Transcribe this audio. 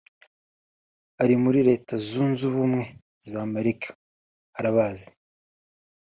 ari muri Leta Zunze Ubumwe z’Amerika; arabazi